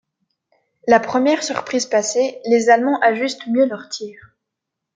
La première surprise passée, les Allemands ajustent mieux leur tir.